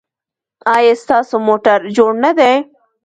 ایا ستاسو موټر جوړ نه دی؟